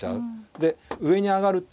で上に上がると。